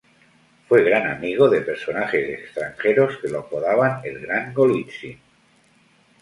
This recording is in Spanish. Fue gran amigo de personajes extranjeros, que lo apodaban el Gran Golitsin.